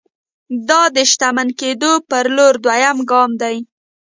دا د شتمن کېدو پر لور دویم ګام دی